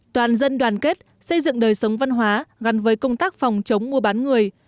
toàn dân đoàn kết xây dựng đời sống văn hóa gắn với công tác phòng chống mua bán người